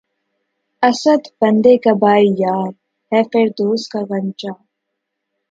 اسد! بندِ قباے یار‘ ہے فردوس کا غنچہ